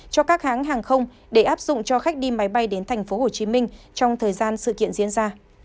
cho các hãng hàng không để áp dụng cho khách đi máy bay đến tp hcm trong thời gian sự kiện diễn ra